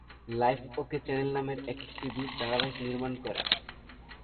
Life okay channel নামের একটি TV ধারাবাহিক নির্মাণ করে।